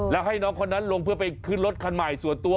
แล้วให้น้องคนนั้นลงเพื่อไปขึ้นรถคันใหม่ส่วนตัว